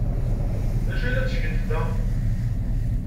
D acu ay la ttgent da?